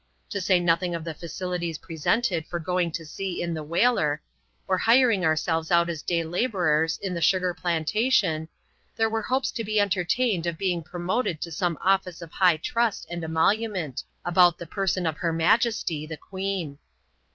To say nothing of the facilities presented for going to sea in the whaler, or hiring ourselves out as day labourers in the sugar plantation, there were hopes to be entertained of being promoted to some office of high trust and emolument, about the person of her majesty, the queen.